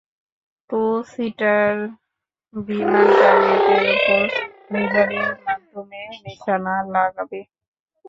Two-seater বিমান টার্গেটের ওপর লেজারের মাধ্যমে নিশানা লাগাবে।